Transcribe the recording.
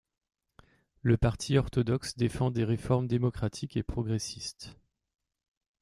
Le parti orthodoxe défent des réformes démocratiques et progressistes.